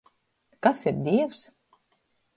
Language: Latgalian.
Kas ir Dīvs?